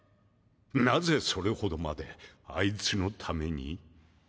なぜそれほどまであいつのために？